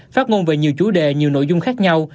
phát ngôn về nhiều chủ đề nhiều nội dung khác nhau